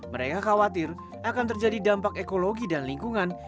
mereka khawatir akan terjadi dampak ekologi dan lingkungan